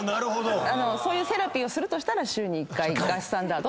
そういうセラピーをするとしたら週に１回がスタンダード。